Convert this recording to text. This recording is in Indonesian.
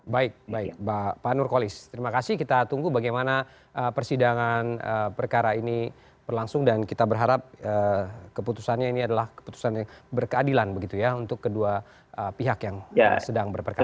baik baik pak nurkolis terima kasih kita tunggu bagaimana persidangan perkara ini berlangsung dan kita berharap keputusannya ini adalah keputusan yang berkeadilan begitu ya untuk kedua pihak yang sedang berperkara